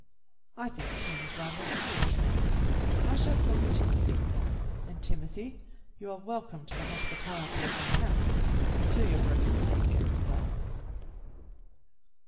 "I think Tim is rather a foolish name. I shall call you Timothy, and, Timothy, you are welcome to the hospitality of my house until your broken leg gets well."